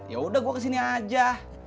yaudah gue kesini aja